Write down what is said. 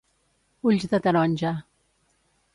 Ulls de taronja.